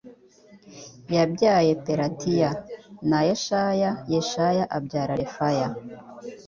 yabyaye Pelatiya l na Yeshaya Yeshaya abyara Refaya